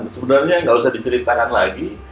sebenarnya nggak usah diceritakan lagi